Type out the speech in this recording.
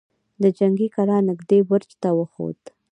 د جنګي کلا نږدې برج ته وخوت.